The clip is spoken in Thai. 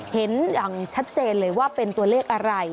เห็นอย่างชัดเจนเลยว่าเป็นตัวเลขอะไร